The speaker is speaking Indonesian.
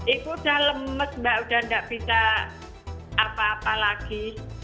ibu udah lemes mbak udah nggak bisa apa apa lagi